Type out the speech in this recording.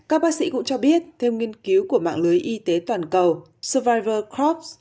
các bác sĩ cũng cho biết theo nghiên cứu của mạng lưới y tế toàn cầu survivor crops